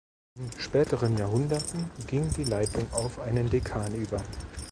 In späteren Jahrhunderten ging die Leitung auf einen Dekan über.